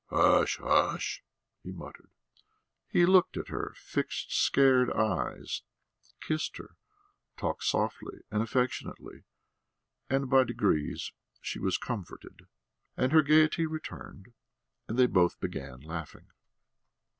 "Hush, hush!..." he muttered. He looked at her fixed, scared eyes, kissed her, talked softly and affectionately, and by degrees she was comforted, and her gaiety returned; they both began laughing.